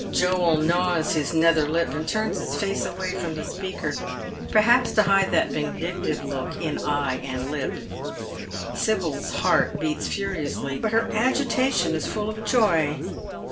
Joel gnaws his nether lip and turns his face away from the speaker, jserhaps to hide that vindictive look in eye and lip. Sil)yr8 heart beats furiously, but her agitation is full of ioy.